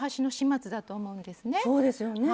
そうですよね。